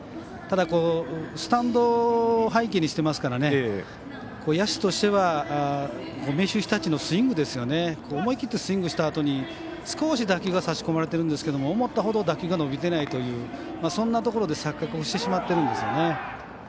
ただ、スタンドを背景にしてますから野手としては明秀日立のスイング思い切ってスイングしたあとに少し打球が差し込まれているんですけど思ったほど打球が伸びてないというそんなところで錯覚してしまってるんですよね。